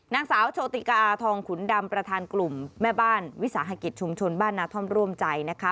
นางสาวโชติกาทองขุนดำประธานกลุ่มแม่บ้านวิสาหกิจชุมชนบ้านนาท่อมร่วมใจนะคะ